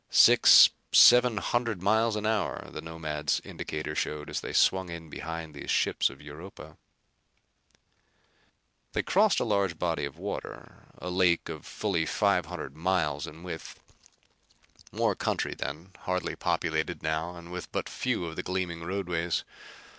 Six, seven hundred miles an hour the Nomad's indicator showed, as they swung in behind these ships of Europa. They crossed a large body of water, a lake of fully five hundred miles in width. More country then, hardly populated now and with but few of the gleaming roadways.